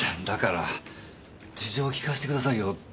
だから事情を聞かせてくださいよ。